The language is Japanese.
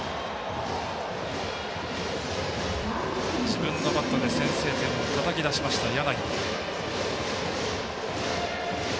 自分のバットで先制点をたたき出しました、柳。